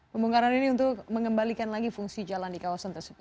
pembongkaran ini untuk mengembalikan lagi fungsi jalan di kawasan tersebut